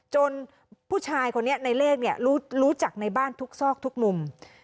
ผู้ชายคนนี้ในเลขเนี่ยรู้จักในบ้านทุกซอกทุกมุม